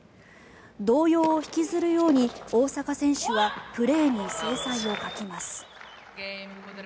動揺を引きずるように大坂選手はプレーに精彩を欠きます。